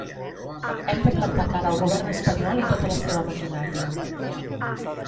Hem de plantar cara al govern espanyol i tota la seva maquinària.